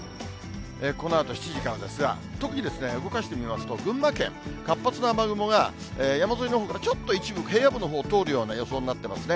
このあと７時からですが、特にですね、動かしてみますと、群馬県、活発な雨雲が山沿いのほうからちょっと一部、平野部のほうを通るような予想になってますね。